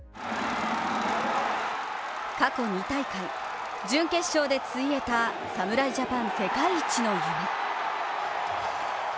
過去２大会、準決勝でついえた侍ジャパン世界一の夢。